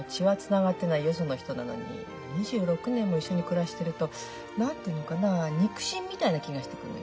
その人なのに２６年も一緒に暮らしてると何て言うのかな肉親みたいな気がしてくるのよね。